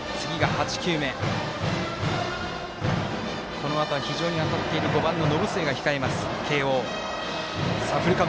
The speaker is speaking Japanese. このあとは非常に当たっている５番の延末が控えます、慶応。